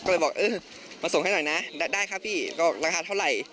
ก็เลยบอกเออมาส่งให้หน่อยนะได้คะพี่ก็ราคาเท่าไหร่